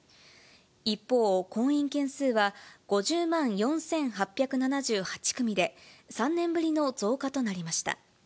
一方、婚姻件数は５０万４８７８組で、３年ぶりの増加となりました。